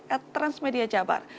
at transmedia jabar